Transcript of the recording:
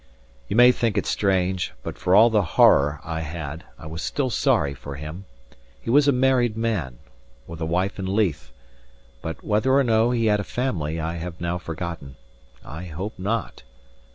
You may think it strange, but for all the horror I had, I was still sorry for him. He was a married man, with a wife in Leith; but whether or no he had a family, I have now forgotten; I hope not.